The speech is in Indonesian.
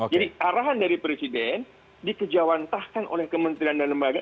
jadi arahan dari presiden dikejawantahkan oleh kementerian dan lembaga